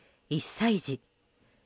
１歳児。